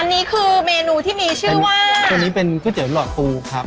อันนี้คือเมนูที่มีชื่อว่าตัวนี้เป็นก๋วยเตี๋ยหลอดปูครับ